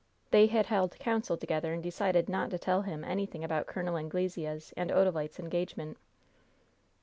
They had held council together and decided not to tell him anything about Col. Anglesea's and Odalite's engagement.